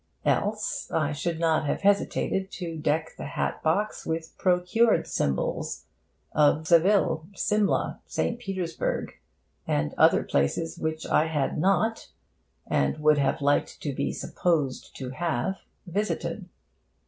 Else, I should not have hesitated to deck the hat box with procured symbols of Seville, Simla, St. Petersburg and other places which I had not (and would have liked to be supposed to have) visited.